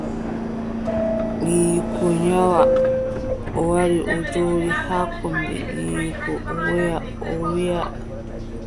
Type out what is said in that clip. Ɓiiyiiko nyawi, o wara o jooɗo haa kombi ɓiiyiiko o woya o wiiʼa.